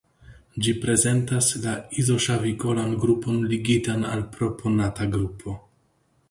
Ĝi prezentas la izoŝavikolan grupon ligitan al la propanata grupo.